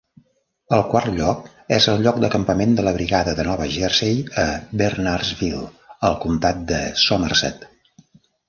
El quart lloc és el lloc d'acampament de la Brigada de Nova Jersey a Bernardsville, al comtat de Somerset.